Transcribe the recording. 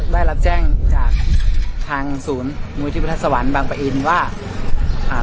ได้รับแจ้งจากทางศูนย์มูลที่พุทธสวรรค์บางปะอินว่าอ่า